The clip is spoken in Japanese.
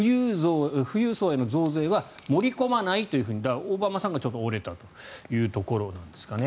富裕層への増税は盛り込まないというふうにオバマさんがちょっと折れたというところなんですかね。